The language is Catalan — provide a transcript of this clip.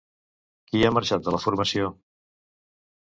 Qui ha marxat de la formació?